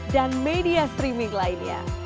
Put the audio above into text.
dan media streaming lainnya